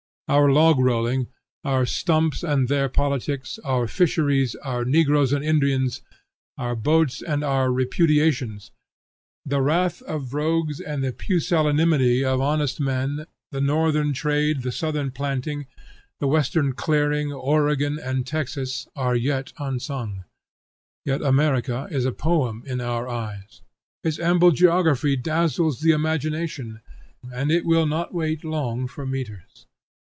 Our logrolling, our stumps and their politics, our fisheries, our Negroes and Indians, our boats and our repudiations, the wrath of rogues and the pusillanimity of honest men, the northern trade, the southern planting, the western clearing, Oregon and Texas, are yet unsung. Yet America is a poem in our eyes; its ample geography dazzles the imagination, and it will not wait long for metres.